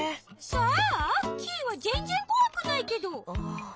そう？キイはぜんぜんこわくないけど。